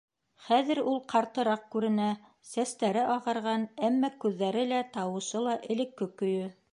Хәҙер ул ҡартыраҡ күренә, сәстәре ағарған, әммә күҙҙәре лә, тауышы ла элекке көйө.